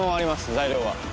材料は。